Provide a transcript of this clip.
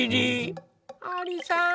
ありさん